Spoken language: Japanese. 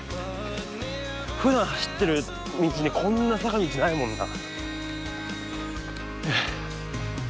ふだん走ってる道にこんな坂道ないもんな。